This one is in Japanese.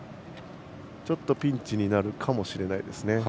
ピンチになるかもしれないですね。